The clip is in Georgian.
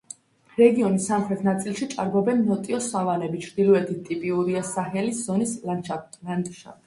რეგიონის სამხრეთ ნაწილში ჭარბობენ ნოტიო სავანები, ჩრდილოეთით ტიპიურია საჰელის ზონის ლანდშაფტი.